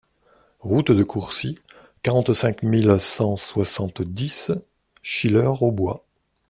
Route de Courcy, quarante-cinq mille cent soixante-dix Chilleurs-aux-Bois